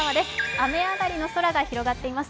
雨上がりの空が広がっています。